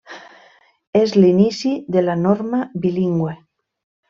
És l'inici de la norma bilingüe.